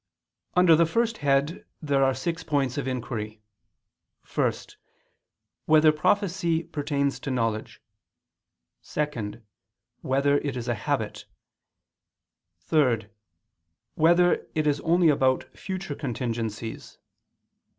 Under the first head there are six points of inquiry: (1) Whether prophecy pertains to knowledge? (2) Whether it is a habit? (3) Whether it is only about future contingencies?